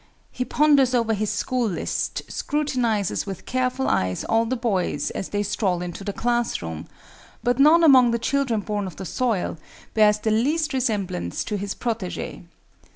He ponders over his school list, scrutinizes with careful eyes all the boys, as they stroll into the class room, but none among the children born of the soil bears the least resemblance to his protégé.